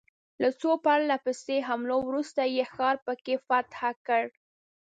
له څو پرله پسې حملو وروسته یې ښار په کې فتح کړ.